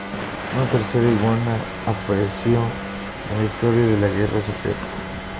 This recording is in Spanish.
Una tercera Iguana apareció en la historia de la Guerra Secreta.